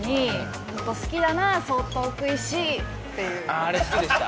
ああれ好きでした？